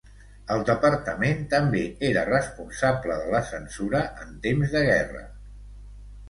El departament també era responsable de la censura en temps de guerra.